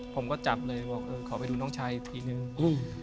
ผมก็จับเลยบอกเออขอไปดูน้องชายทีนึงอืม